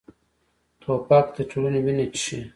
توپک د ټولنې وینه څښي.